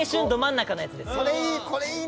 それいい！